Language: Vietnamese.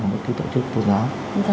một cái tổ chức tôn giáo